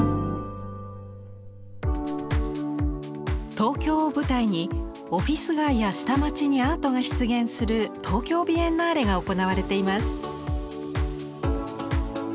東京を舞台にオフィス街や下町にアートが出現する「東京ビエンナーレ」が行われています。